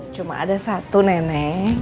cuma ada satu neneng